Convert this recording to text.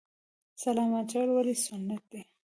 سلام اچول ولې سنت دي؟